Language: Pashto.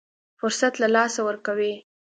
فرصت له لاسه ورکوي.